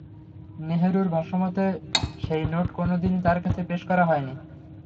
নেহরুর ভাষ্যমতে, সেই নোট কোনো দিনই তাঁর কাছে পেশ করা হয়নি।